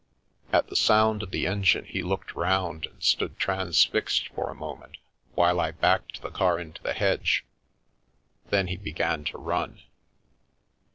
At the sound of the engine he looked round and stood transfixed for a moment while I backed the car into the hedge, then he began to run.